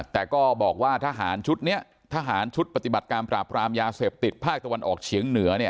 แต่ก็บอกว่าทหารชุดนี้ทหารชุดปฏิบัติการปราบรามยาเสพติดภาคตะวันออกเฉียงเหนือเนี่ย